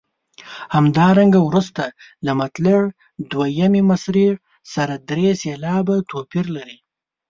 همدارنګه وروسته له مطلع دویمې مصرع سره درې سېلابه توپیر لري.